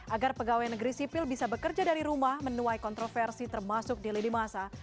agar pegawai negeri sipil bisa bekerja dari rumah menuai kontroversi termasuk di lini masa